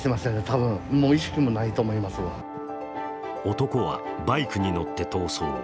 男はバイクに乗って逃走。